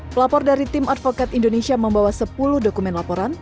pelapor dari tim advokat indonesia membawa sepuluh dokumen laporan